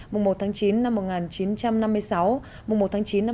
mùng một tháng chín năm một nghìn chín trăm năm mươi sáu mùng một tháng chín năm hai nghìn hai mươi